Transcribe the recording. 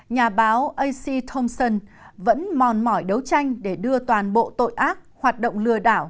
nhà báo ac tomson vẫn mòn mỏi đấu tranh để đưa toàn bộ tội ác hoạt động lừa đảo